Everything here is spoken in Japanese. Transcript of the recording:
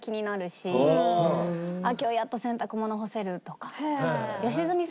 あっ今日やっと洗濯物干せるとか。